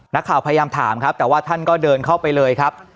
นักข่าวพยายามถามครับแต่ว่าท่านก็เดินเข้าไปเลยครับ